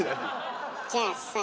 じゃあさ